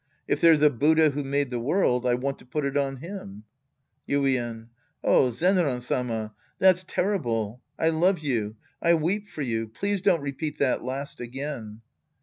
If there's a Buddha who made the world, I want to put it on him. Yuien. Oh, Zenran Sama ! That's terrible. I love you. I weep for you. Please don't repeat that last again.